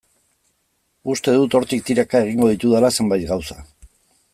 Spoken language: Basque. Uste dut hortik tiraka egingo ditudala zenbait gauza.